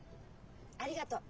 ありがとう。